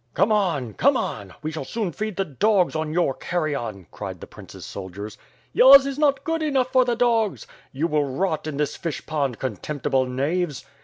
"Come onl Come on! We shall soon feed the dogs on your carrion/' cried the prince's soldiers. "Yours is not good enough for the dogs!" 'TTou will rot in this fish pond, contemptible knaves!"